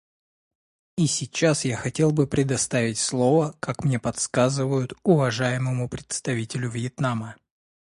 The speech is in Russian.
И сейчас я хотел бы предоставить слово, как мне подсказывают, уважаемому представителю Вьетнама.